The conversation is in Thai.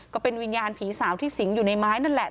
ก็เป็นวิญญาณผีสาวที่สิงอยู่ในไม้นั่นแหละ